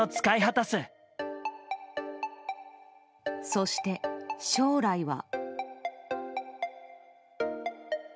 そして将来は。